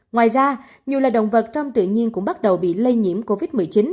ngoài ra nhiều loài động vật trong tự nhiên cũng bắt đầu bị lây nhiễm covid một mươi chín